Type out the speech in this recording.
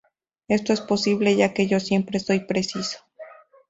Esto es imposible, ya que yo siempre soy preciso.